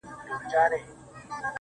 • میکده په نامه نسته، هم حرم هم محرم دی.